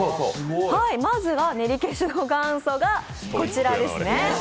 まずは練り消しの元祖がこちらです。